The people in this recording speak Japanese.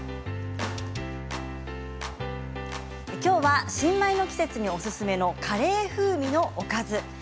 今日は新米の季節におすすめのカレー風味のおかずです。